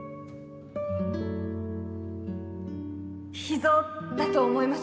脾臓だと思います